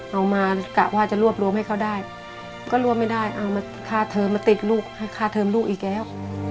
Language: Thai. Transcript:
เอามากะว่าจะรวบรวมให้เขาได้ก็รวมไม่ได้เอามาค่าเทอมมาติดลูกให้ค่าเทอมลูกอีกแล้ว